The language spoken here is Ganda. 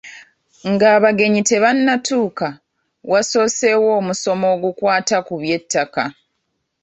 Nga abagenyi tebannatuuka, waasoseewo omusomo ogukwata ku by'ettaka.